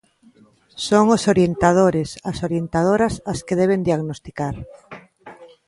Son os orientadores, as orientadoras, as que deben diagnosticar.